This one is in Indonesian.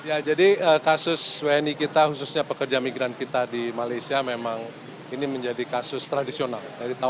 ya jadi kasus wni kita khususnya pekerja migran kita di malaysia memang ini menjadi kasus tradisional